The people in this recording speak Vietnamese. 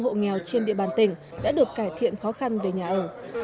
hộ nghèo trên địa bàn tỉnh đã được cải thiện khó khăn về nhà ở